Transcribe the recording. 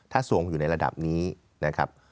ถ้าทรวงอยู่ในระดับนี้นะครับ